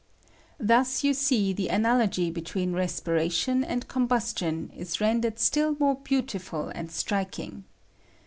Thus you see the analogy between respiration and combustion is rendered still more beautiful and striking.